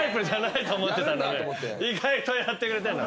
意外とやってくれてんだ。